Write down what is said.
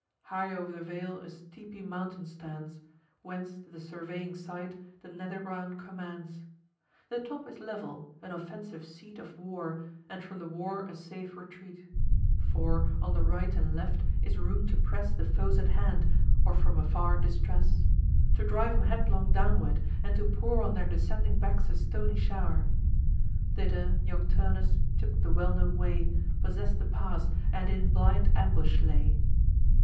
High o'er the vale a steepy mountain stands, Whence the surveying sight the nether ground commands. The top is level, an offensive seat Of war; and from the war a safe retreat: For, on the right and left, is room to press The foes at hand, or from afar distress; To drive 'em headlong downward, and to pour On their descending backs a stony show'r. Thither young Turnus took the well known way, Possess'd the pass, and in blind ambush lay.